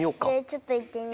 ちょっといってみよう。